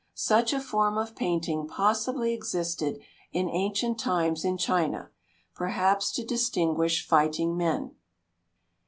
Such a form of painting possibly existed in ancient times in China perhaps to distinguish fighting men.